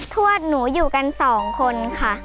ทวดหนูอยู่กันสองคนค่ะ